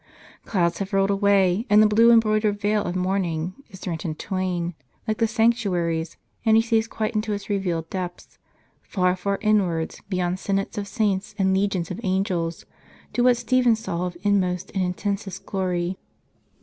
Clouds have rolled away, and the blue embroidered veil of morning is rent in twain, like the sanctuary's, and he sees quite into its revealed depths; far, far inwards, beyond senates of saints and legions of angels, to what Stephen saw of inmost and intensest glory.